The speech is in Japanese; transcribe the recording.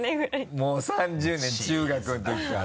もう３０年中学のときから。